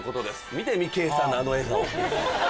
見てみ圭さんのあの笑顔。